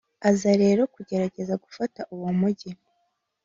aza rero kugerageza gufata uwo mugi